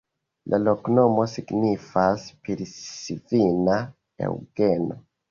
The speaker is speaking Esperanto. La loknomo signifas: Pilisvina-Eŭgeno.